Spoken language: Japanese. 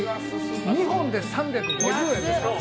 ２本で３５０円ですから。